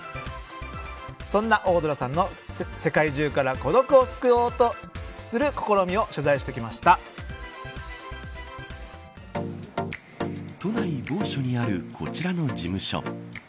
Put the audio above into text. そんな大空さんの世界中から孤独を救おうとする試みを都内某所にあるこちらの事務所。